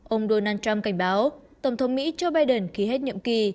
ông donald trump cảnh báo tổng thống mỹ joe biden ký hết nhiệm kỳ